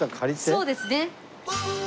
そうですね。